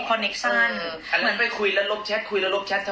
แค่จะเอออันนั้นไปคุยแล้วลบแชทคุยแล้วลบแชท